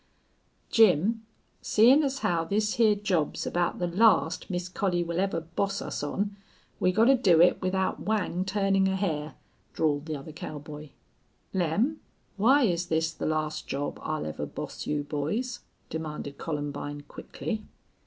"Jim, seein' as how this here job's aboot the last Miss Collie will ever boss us on, we gotta do it without Whang turnin' a hair," drawled the other cowboy. "Lem, why is this the last job I'll ever boss you boys?" demanded Columbine, quickly.